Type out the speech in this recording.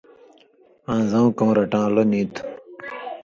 آں زاں کؤں رٹَان٘لو نی تُھو